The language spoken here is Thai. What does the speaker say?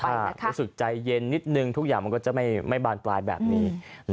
รู้สึกใจเย็นนิดนึงทุกอย่างมันก็จะไม่บานปลายแบบนี้